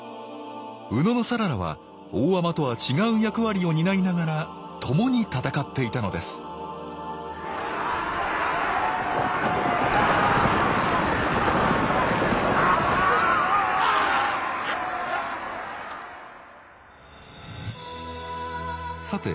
野讃良は大海人とは違う役割を担いながら共に戦っていたのですさて